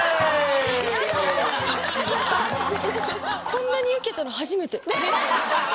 こんなにウケたの初めて。